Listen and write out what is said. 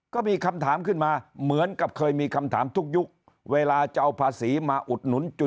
ก็มีคำถามขึ้นมาเหมือนกับเคยมีคำถามทุกยุคเวลาจะเอาภาษีมาอุดหนุนจุด